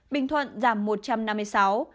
bình thuận giảm một trăm năm mươi sáu